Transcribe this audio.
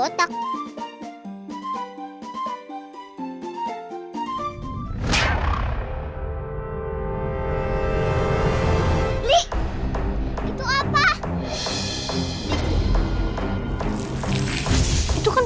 kayaknya sakit deh